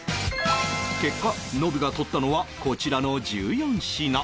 結果ノブが取ったのはこちらの１４品